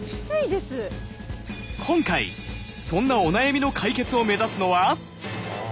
今回そんなお悩みの解決を目指すのは！